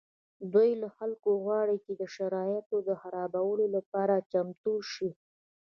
دوی له خلکو غواړي چې د شرایطو د خرابولو لپاره چمتو شي